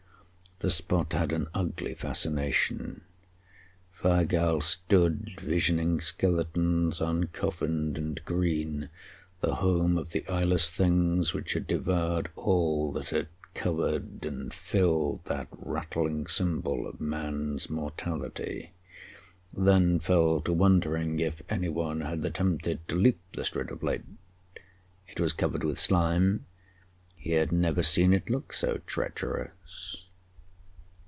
The spot had an ugly fascination. Weigall stood, visioning skeletons, uncoffined and green, the home of the eyeless things which had devoured all that had covered and filled that rattling symbol of man's mortality; then fell to wondering if any one had attempted to leap the Strid of late. It was covered with slime; he had never seen it look so treacherous.